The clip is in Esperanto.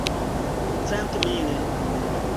centmil